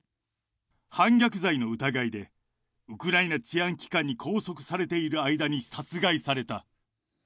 反逆罪の疑いで、ウクライナ治安機関に拘束されている間に殺害された。